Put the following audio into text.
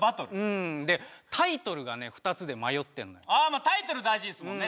うんでタイトルがね２つで迷ってるのああまあタイトル大事ですもんね